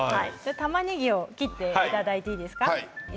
たまねぎを切っていただいていいですか。